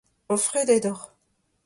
Enfredet oc'h !